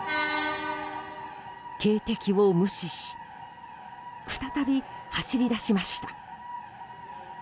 警笛を無視し再び走り出しました。